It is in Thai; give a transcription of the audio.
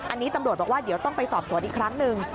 อันนี้ตำรวจบอกว่าเดี๋ยวต้องไปสอบสวนอีกครั้งหนึ่ง